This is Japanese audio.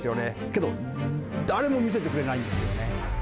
けど、誰も見せてくれないんですよね。